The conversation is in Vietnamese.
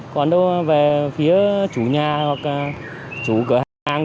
còn đâu về phía chủ nhà hoặc chủ cửa hàng